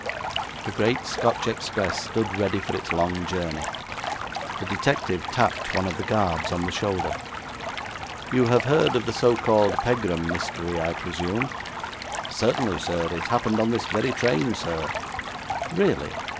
The great Scotch Express stood ready for its long journey. The detective tapped one of the guards on the shoulder. 'You have heard of the so called Pegram mystery, I presume?' 'Certainly, sir. It happened on this very train, sir.' 'Really?